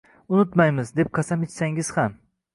“Unutmaymiz”, deb qasam ichsangiz ham